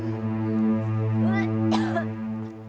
jantungnya agak bincang ya